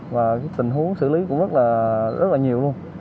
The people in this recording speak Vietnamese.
và tình huống xử lý cũng rất là nhiều luôn